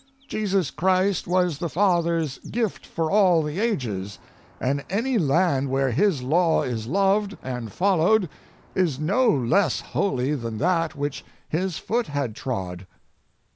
Jesus Christ was the Father's gift for all the ages, and any land where His law is loved and followed is no less holy than that which His foot had trod.